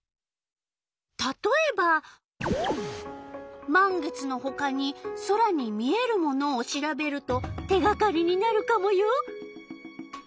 たとえば満月のほかに空に見えるものを調べると手がかりになるカモよ。